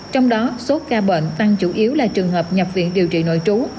trong đó số ca bệnh tăng chủ yếu là trường hợp nhập viện điều trị nội trú